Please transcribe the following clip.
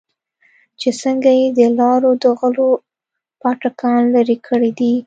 چې څنگه يې د لارو د غلو پاټکان لرې کړې دي.